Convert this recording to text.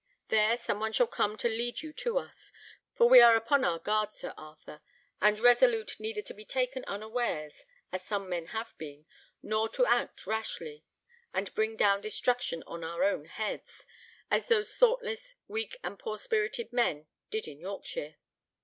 There some one shall come to lead you to us; for we are upon our guard, Sir Arthur, and resolute neither to be taken unawares, as some men have been, nor to act rashly, and bring down destruction on our own heads, as those thoughtless, weak, and poor spirited men did in Yorkshire."